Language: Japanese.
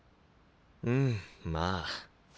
うんまあ。